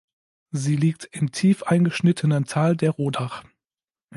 Sie liegt im tief eingeschnittenen Tal der Rodach.